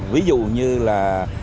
ví dụ như là